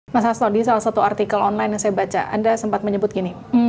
mas hasto di salah satu artikel online yang saya baca anda sempat menyebut gini